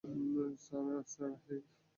সারা, হেই!